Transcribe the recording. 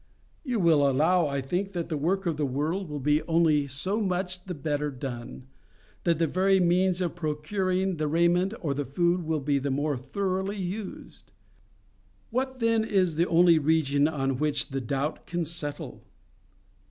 You will allow, I think, that the work of the world will be only so much the better done; that the very means of procuring the raiment or the food will be the more thoroughly used. What, then, is the only region on which the doubt can settle?